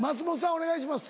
お願いします。